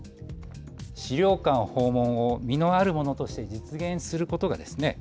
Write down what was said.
資料館訪問を実のあるものとして実現することがですね